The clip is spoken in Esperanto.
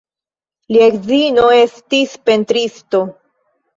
Lia edzino estis pentristo.